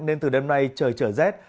nên từ đêm nay trời trời rét